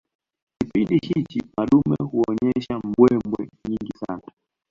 Kipindi hicho madume huonyesha mbwembwe nyingi sana